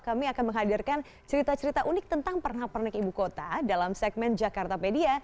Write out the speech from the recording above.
kami akan menghadirkan cerita cerita unik tentang pernak pernak ibu kota dalam segmen jakarta media